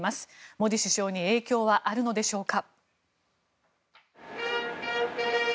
モディ首相に影響はあるのでしょうか。